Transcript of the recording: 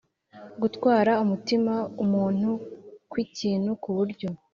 gutwara umutima umuntu kw’ikintu ku buryo